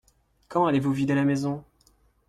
Quand allez-vous vider la maison ?